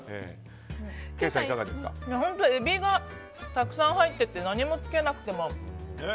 エビがたくさん入ってて何もつけなくても。